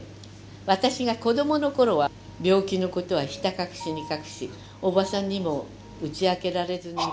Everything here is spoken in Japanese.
私が子供の頃は病気の事はひた隠しに隠しおばさんにも打ち明けられずにいました」。